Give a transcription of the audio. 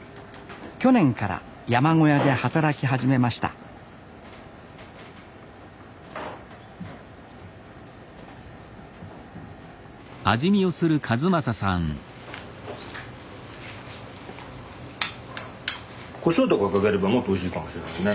去年から山小屋で働き始めましたこしょうとかかければもっとおいしいかもしれないね。